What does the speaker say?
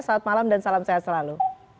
selamat malam dan salam sehat selalu